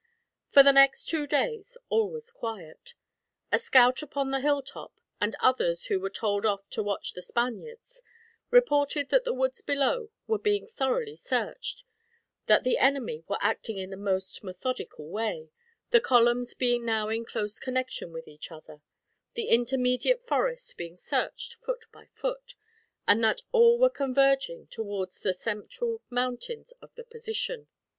For the next two days, all was quiet. A scout upon the hilltop, and others who were told off to watch the Spaniards, reported that the woods below were being thoroughly searched; that the enemy were acting in the most methodical way, the columns being now in close connection with each other, the intermediate forest being searched foot by foot; and that all were converging towards the central mountains of the position.